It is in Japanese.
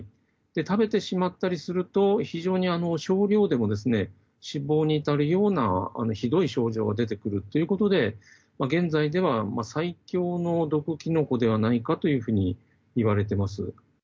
食べてしまったりすると、非常に少量でもですね、死亡に至るようなひどい症状が出てくるっていうことで、現在では、最強の毒キノコではないかというふうにいわれてます。